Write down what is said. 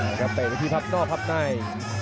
สวัสดิ์นุ่มสตึกชัยโลธสวัสดิ์